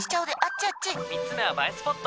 ３つ目は映えスポット。